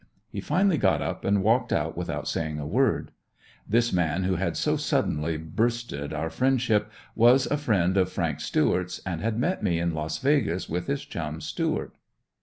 He finally got up and walked out without saying a word. This man who had so suddenly bursted our friendship was a friend of Frank Stuart's and had met me in Las Vegas, with his chum, Stuart.